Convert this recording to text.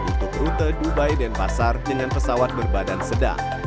untuk rute dubai dan pasar dengan pesawat berbadan sedang